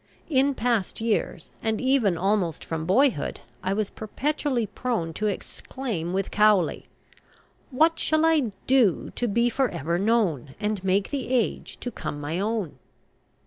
In past years, and even almost from boyhood, I was perpetually prone to exclaim with Cowley: "What shall I do to be for ever known, And make the age to come my own?"